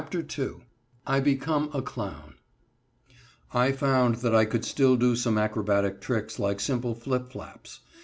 ] II I BECOME A CLOWN I found that I could still do some acrobatic tricks like simple flip flaps.